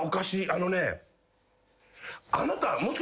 あのね」